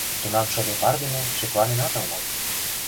Тунам шыде пар дене шекланенат омыл...